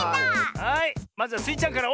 はいまずはスイちゃんからオープン！